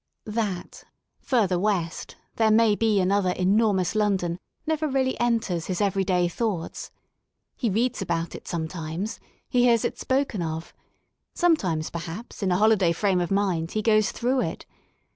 That, further west* there may be another enormous London never really enters his everyday thoughts. He reads about it sometimes, he hears it spoken of; sometimes perhaps in a holiday frame of mind he goes through it.